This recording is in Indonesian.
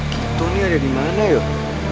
kita nih ada dimana yuk